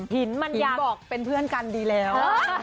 เห็นบอกเป็นเพื่อนกันดีแล้ว